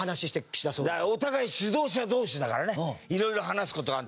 だからお互い指導者同士だからねいろいろ話す事はある。